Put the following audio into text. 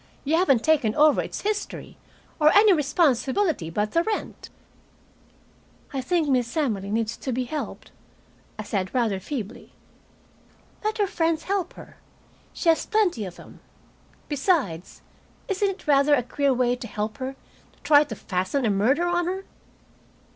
You haven't taken over its history, or any responsibility but the rent." "I think Miss Emily needs to be helped," I said, rather feebly. "Let her friends help her. She has plenty of them. Besides, isn't it rather a queer way to help her, to try to fasten a murder on her?"